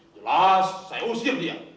jelas saya usir dia